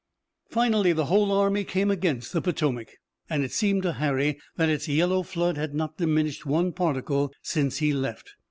Finally the whole army came against the Potomac and it seemed to Harry that its yellow flood had not diminished one particle since he left.